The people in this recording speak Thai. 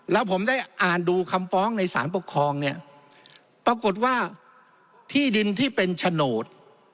แล้วผมได้อ่านดูคำฟ้องในสารปกครองเนี่ยปรากฏว่าที่ดินที่เป็นโฉนด